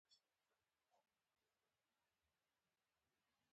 دا د داخلي او خارجي واحدونو اړیکې دي.